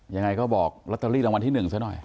ยังไงก็บอกลอตเตอรี่รางวัลที่๑ซะหน่อย